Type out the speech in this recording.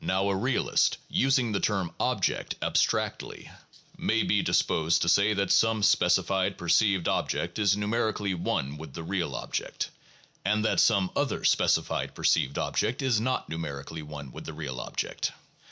Now a realist, using the term object abstractly, may 154 THE PHILOSOPHICAL REVIEW. [Vol. XXI. be disposed to say that some specified perceived object is nu merically one with the real object, and that some other specified perceived object is not numerically one with the real object.